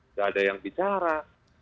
nggak ada yang bicara